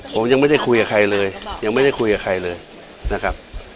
ผมยังไม่ได้คุยกับใครเลยยังไม่ได้คุยกับใครเลยนะครับ